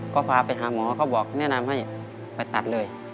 ก็พาไปหาหมอเขาบอกแนะนำให้ไปตัดเลย